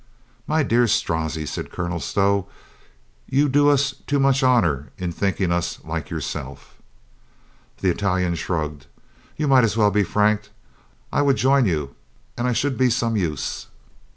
"My dear Strozzi," said Colonel Stow, "you do us too much honor in thinking us like yourself." The Italian shrugged. "You might as well be frank. I would join you, and I should be some use."